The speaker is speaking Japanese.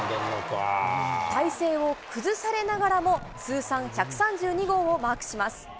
体勢を崩されながらも通算１３２号をマークします。